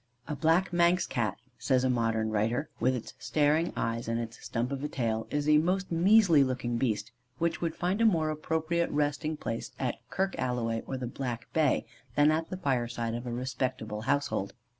"A black Manx Cat," says a modern writer, "with its staring eyes and its stump of a tail, is a most measly looking beast, which would find a more appropriate resting place at Kirk Alloway or the Black Bay, than at the fireside of a respectable household.